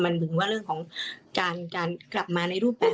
มันเหมือนว่าเรื่องของการกลับมาในรูปแปลก